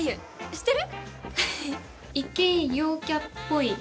知ってる？